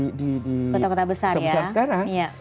kota kota besar sekarang